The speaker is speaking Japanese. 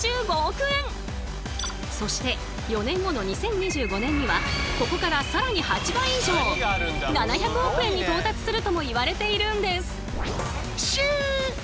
そして４年後の２０２５年にはここから更に８倍以上７００億円に到達するともいわれているんです。